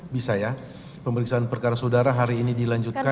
bisa ya pemeriksaan perkara saudara hari ini dilanjutkan